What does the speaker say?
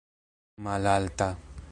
malalta